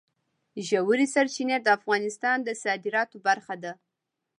ژورې سرچینې د افغانستان د صادراتو برخه ده.